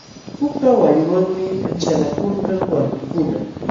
Puka waliwanmi achalakulkan walmikuna.